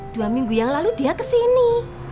dua minggu yang lalu dia kesini